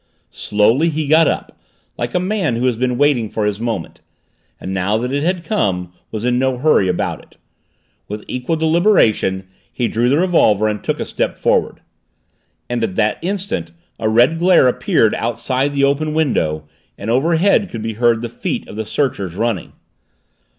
Slowly he got up, like a man who has been waiting for his moment, and now that it had come was in no hurry about it. With equal deliberation he drew the revolver and took a step forward. And at that instant a red glare appeared outside the open window and overhead could be heard the feet of the searchers, running.